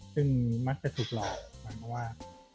ซึ่งมักจะถูกหลอกว่า